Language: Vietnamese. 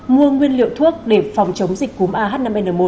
mua nguyên liệu thuốc để phòng chống dịch cúm ah năm n một